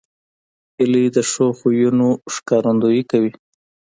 هیلۍ د ښو خویونو ښکارندویي کوي